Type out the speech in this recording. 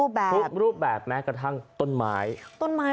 ปัจจุบันนี้ขโมยความโยนมันเยอะแพบ